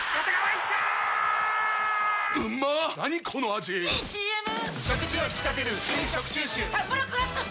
⁉いいＣＭ！！